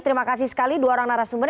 terima kasih sekali dua orang narasumber